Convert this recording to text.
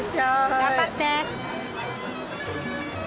頑張って。